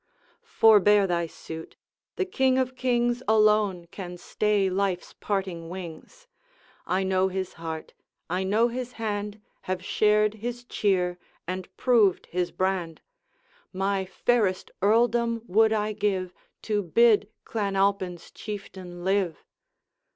'Forbear thy suit; the King of kings Alone can stay life's parting wings. I know his heart, I know his hand, Have shared his cheer, and proved his brand; My fairest earldom would I give To bid Clan Alpine's Chieftain live!